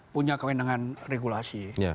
punya kewenangan regulasi